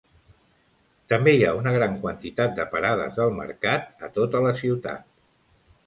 També hi ha una gran quantitat de parades del mercat a tota la ciutat.